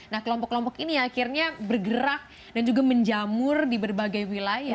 nah kelompok kelompok ini akhirnya bergerak dan juga menjamur di berbagai wilayah